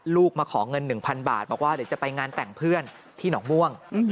มาขอเงิน๑๐๐๐บาทบอกว่าเดี๋ยวจะไปงานแต่งเพื่อนที่หนองม่วง